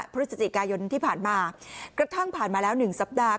พฤศจิกายนที่ผ่านมากระทั่งผ่านมาแล้ว๑สัปดาห์